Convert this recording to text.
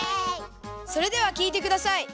それではきいてください。